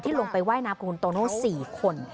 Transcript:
ลงไปว่ายน้ำกับคุณโตโน่๔คน